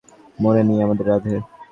মরে নি আমাদের রাধে।